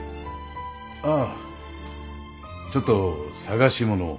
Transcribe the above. ああちょっと捜し物を。